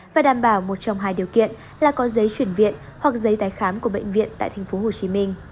và đảm bảo một trong hai điều kiện là có giấy chuyển viện hoặc giấy tái khám của bệnh viện tại thành phố hồ chí minh